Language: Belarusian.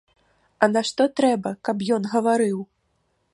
А нашто трэба, каб ён гаварыў?